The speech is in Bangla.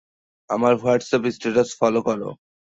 আমার হোয়াটসঅ্যাপ স্ট্যাটাস ফলো করো।